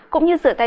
cũng như rửa tay